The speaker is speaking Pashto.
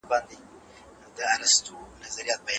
یوازي د کارګرانو په شمېر باندې تکیه مه کوئ.